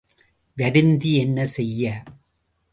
வருந்தி என்ன செய்ய?